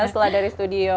setelah dari studio